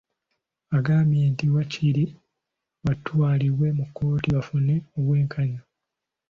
Agambye nti waakiri batwalibwe mu kkooti bafune obwenkanya